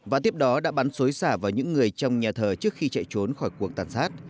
và tiếp đó đã bắn xối xả vào những người trong nhà thờ trước khi chạy trốn khỏi cuộc tàn sát